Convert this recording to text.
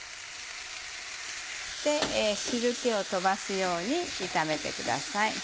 汁気を飛ばすように炒めてください。